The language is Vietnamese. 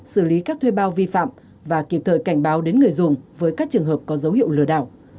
xử lý các thuê bao vi phạm và kịp thời cảnh báo đến người dùng với các trường hợp có dấu hiệu lừa đảo